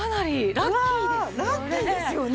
ラッキーですよね。